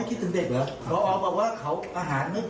ที่ต้องได้รับเงินอันนี้